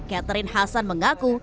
catherine hassan mengaku